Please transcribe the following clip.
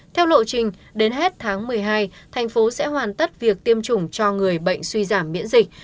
theo lộ trình đến hết tháng một mươi hai thành phố sẽ hoàn tất việc tiêm chủng cho người bệnh suy giảm miễn dịch